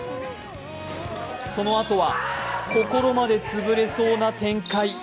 そのあとは心まで潰れそうな展開。